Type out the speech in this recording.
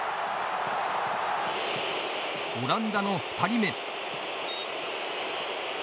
オランダの２人目。